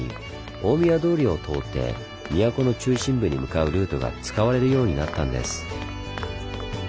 大宮通を通って都の中心部に向かうルートが使われるようになったんです。